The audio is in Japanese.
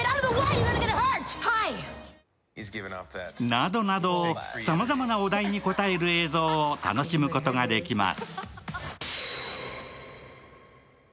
などなどさまざまなお題に答える映像を楽しむことができます。